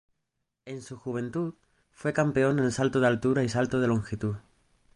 En su juventud fue campeona en salto de altura y salto de longitud.